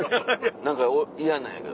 何か嫌なんやけど。